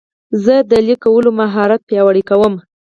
زه د لیک کولو مهارت پیاوړی کوم.